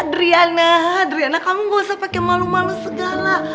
adriana adriana kamu gak usah pakai malu malu segala